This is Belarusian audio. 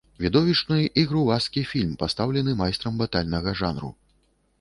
Відовішчны й грувасткі фільм, пастаўлены майстрам батальнага жанру.